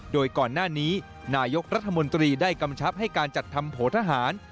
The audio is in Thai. โดยก่อนหน้านี้นายกรัฐมนตรีได้กำชับให้การจัดทำโผทหาร